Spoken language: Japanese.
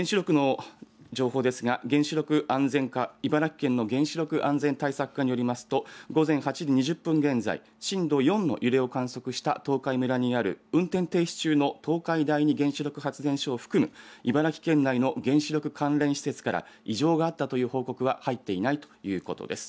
原子力の情報ですが原子力安全課、茨城県の原子力安全対策課によりますと午前８時２０分現在、震度４の揺れを観測した東海村にある運転停止中の東海第二原子力発電所を含む茨城県内の原子力関連施設から異常があったという報告は入っていないということです。